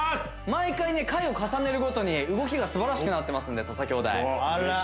毎回ね回を重ねるごとに動きが素晴らしくなってますんで土佐兄弟わあ